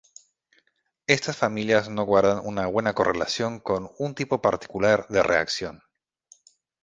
Estas familias no guardan una buena correlación con un tipo particular de reacción.